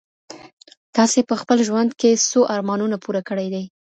تاسي په خپل ژوند کي څو ارمانونه پوره کړي دي؟